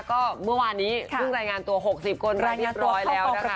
ก็เมื่อวันนี้ด้านรายงานตัวหกสิบคนไปเรียบร้อยแล้ว